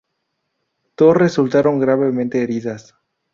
Dos resultaron gravemente heridas.